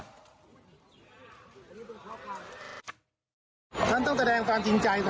ทีนี้คือไทยท่านต้องแสดงการใจเพื่อทิ้งใจ